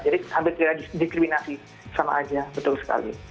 jadi hampir tidak dikriminasi sama aja betul sekali